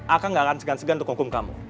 akang gak akan segan segan untuk hukum kamu